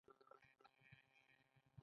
هوښیار خلک د لږو خبرو سره ډېر تاثیر پرېږدي.